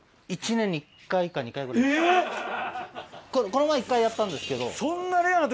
この前１回やったんですけど。